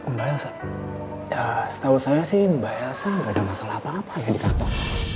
mbak elsa ya setahu saya sih mbak elsa nggak ada masalah apa apa ya di kantor